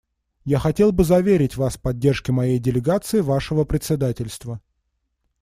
Я хотел бы заверить Вас в поддержке моей делегацией Вашего председательства.